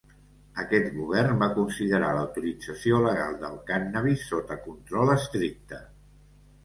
Aquest govern va considerar la utilització legal del cànnabis sota control estricte.